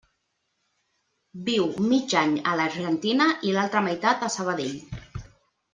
Viu mig any a l'Argentina i l'altra meitat a Sabadell.